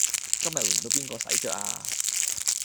今日輪到邊個洗腳呀